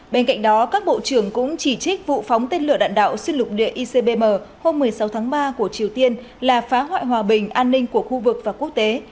bên cạnh đó các bộ trưởng cũng chỉ trích vụ phóng tên lửa đạn đạo xuyên lục địa icbm hôm một mươi sáu tháng ba của triều tiên là phá hoại hòa bình an ninh của khu vực và quốc tế